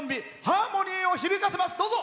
ハーモニーを響かせます。